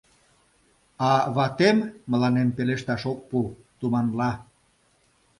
А ватем мыланем пелешташ ок пу, туманла: